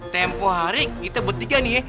tempoh hari kita bertiga nih